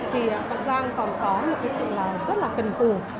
thì giang còn có một cái sự là rất là cần phù